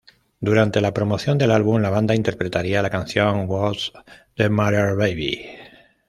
Durante la promoción del álbum, la banda interpretaría la canción "What's The Matter, Baby?